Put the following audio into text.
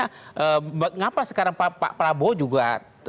kenapa sekarang pak prabowo juga